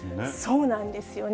そうなんですよね。